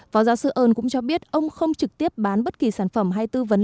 phó giáo sư ơn cũng cho biết ông không trực tiếp bán bất kỳ sản phẩm hay tư vấn